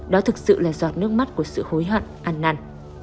đó thực sự là giọt nước mắt của sự hối hận ăn năn